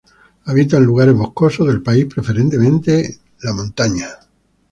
Habita en lugares boscosos del país, preferentemente de montaña.